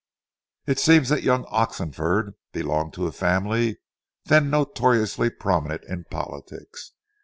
It seems that young Oxenford belonged to a family then notoriously prominent in politics.